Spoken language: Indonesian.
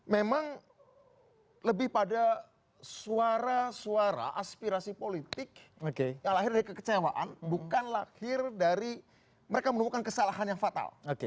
memang lebih pada suara suara aspirasi politik yang lahir dari kekecewaan bukan lahir dari mereka menemukan kesalahan yang fatal